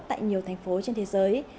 tại nhiều thành phố trên thế giới